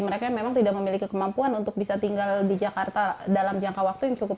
mereka memang tidak memiliki kemampuan untuk bisa tinggal di jakarta dalam jangka waktu yang cukup